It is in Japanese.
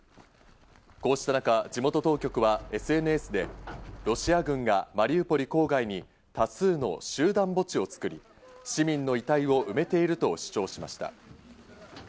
こうした中、地元当局はＳＮＳでロシア軍がマリウポリ郊外に多数の集団墓地を作り、市民の遺体を埋めていると主張しました。